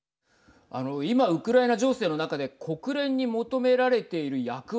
今ウクライナ情勢の中で国連に求められている役割